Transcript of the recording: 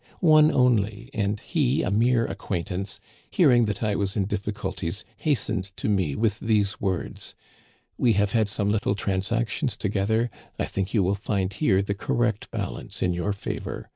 One only, and he a mere acquaintance, hearing that I was in difficulties, hastened to me with these words :"* We have had some little transactions together ; I think you will find here the correct balance in your favor.